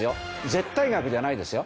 絶対額じゃないですよ。